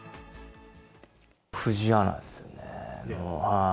藤井アナですよね。